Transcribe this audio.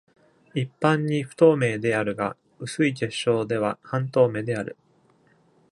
一般に不透明であるが、薄い結晶では半透明である。